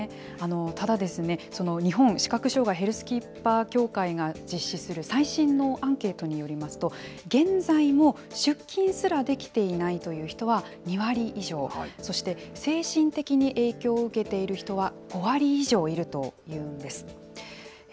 ただですね、日本視覚障害ヘルスキーパー協会が実施する最新のアンケートによりますと、現在も出勤すらできていないという人は２割以上、そして、精神的に影響を受けている人は５割以上いるというんです。